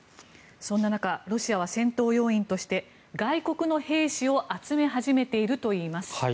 そんな中ロシアは戦闘要員として外国の兵士を集め始めているといいます。